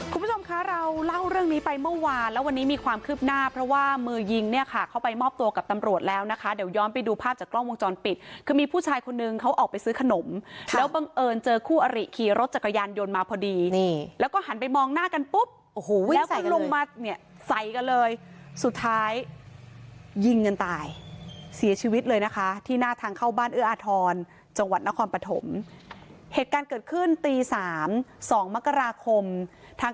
คุณผู้ชมคะเราเล่าเรื่องนี้ไปเมื่อวานแล้ววันนี้มีความคืบหน้าเพราะว่ามือยิงเนี่ยค่ะเขาไปมอบตัวกับตำรวจแล้วนะคะเดี๋ยวยอมไปดูภาพจากกล้องวงจรปิดคือมีผู้ชายคนนึงเขาออกไปซื้อขนมแล้วบังเอิญเจอคู่อริขี่รถจักรยานยนต์มาพอดีนี่แล้วก็หันไปมองหน้ากันปุ๊บโอ้โหวิ่งลงมาเนี่ยใสกันเลยสุดท้ายยิง